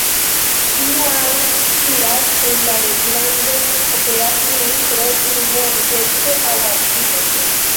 Kiu ajn spiras en la reĝlando, obeas min pro timo, amikeco aŭ admiro.